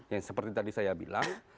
yang seperti tadi saya bilang